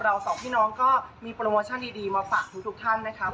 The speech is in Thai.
สองพี่น้องก็มีโปรโมชั่นดีมาฝากทุกท่านนะครับ